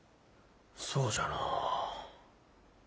そうじゃのう。